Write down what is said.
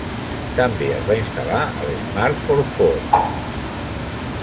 També es va instal·lar a l'Smart Forfour.